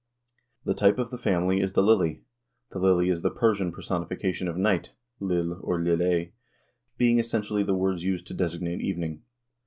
The type of the family is the lily. The lily is the Persian personification of night, lil or lilleh being essentially the words used to designate evening.